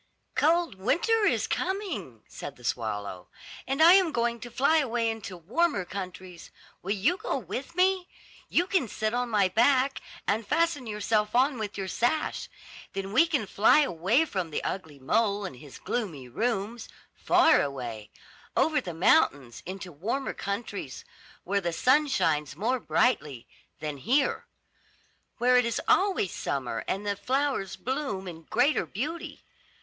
"Cold winter is coming," said the swallow, "and I am going to fly away into warmer countries. Will you go with me? You can sit on my back, and fasten yourself on with your sash. Then we can fly away from the ugly mole and his gloomy rooms, far away, over the mountains, into warmer countries, where the sun shines more brightly than here; where it is always summer, and the flowers bloom in greater beauty.